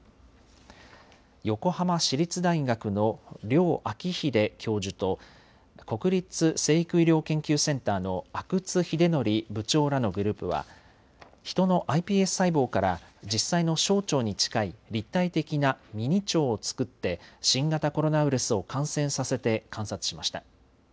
横浜市立大学の梁明秀教授と国立成育医療研究センターの阿久津英憲部長らのグループはヒトのｉＰＳ細胞から実際の小腸に近い立体的なミニ腸を作って新型コロナウイルスを感染させて観察しました。